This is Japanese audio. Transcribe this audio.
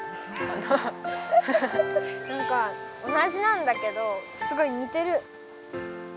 なんか同じなんだけどすごいにてる。